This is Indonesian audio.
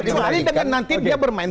kecuali dengan nanti dia bermain